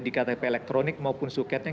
di ktp elektronik maupun suketnya